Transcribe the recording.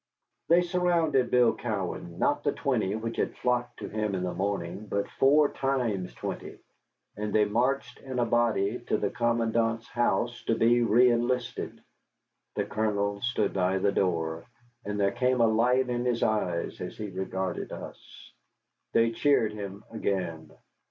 They surrounded Bill Cowan, not the twenty which had flocked to him in the morning, but four times twenty, and they marched in a body to the commandant's house to be reënlisted. The Colonel stood by the door, and there came a light in his eyes as he regarded us. They cheered him again.